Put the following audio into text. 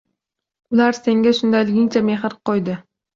Ular senga shundayligingcha mehr qo’ydi.